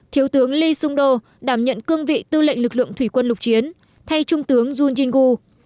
thiếu tướng lee sung do đảm nhận cương vị tư lệnh lực lượng thủy quân lục chiến thay trung tướng jun jin gu